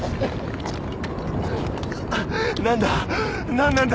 何だ？